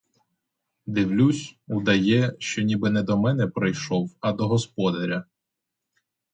Дивлюсь — удає, що ніби не до мене прийшов, а до господаря.